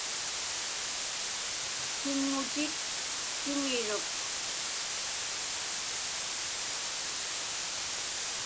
Tiŋŋutik tiŋiruk.